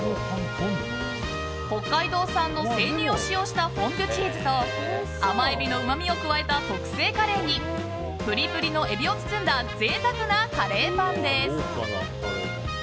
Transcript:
北海道産の生乳を使用したフォンデュチーズと甘エビのうまみを加えた特製カレーにプリプリのエビを包んだ贅沢なカレーパンです。